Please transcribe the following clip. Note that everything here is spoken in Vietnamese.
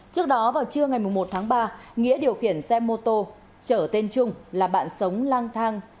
trước đó vào trưa ngày một tháng ba nghĩa điều khiển xe mô tô trở tên trung là bạn sống lang thang